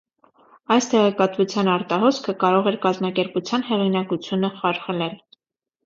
Այս տեղեկատվության արտահոսքը կարող էր կազմակերպության հեղինակությունը խարխլել։